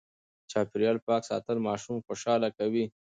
چاپېريال پاک ساتل ماشوم خوشاله کوي.